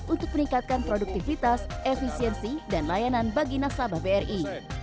untuk meningkatkan produktivitas efisiensi dan layanan bagi nasabah bri